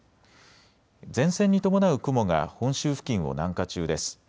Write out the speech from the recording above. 前線に伴う雲が本州付近を南下中です。